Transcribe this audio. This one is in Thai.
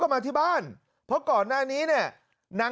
การนอนไม่จำเป็นต้องมีอะไรกัน